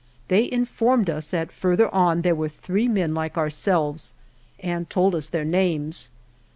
They informed us that further on there were three men like ourselves and told us their names.